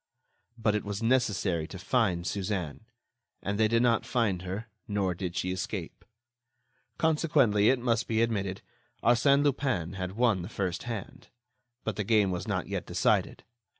But it was necessary to find Suzanne. And they did not find her, nor did she escape. Consequently, it must be admitted, Arsène Lupin had won the first hand. But the game was not yet decided.